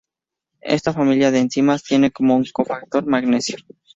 Esta familia de enzimas tiene como cofactor magnesio.